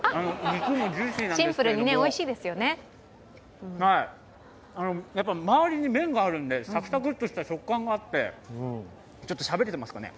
肉もジューシーなんですけど、周りに麺があるんで、サクサクとした食感があってしゃべれてますかね？